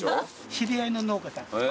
知り合いの農家さん。